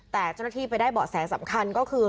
แต่เจ้าหน้าที่ไปได้เบาะแสสำคัญก็คือ